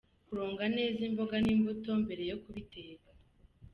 Kuronga neza imboga n’imbuto mbere yo kubiteka.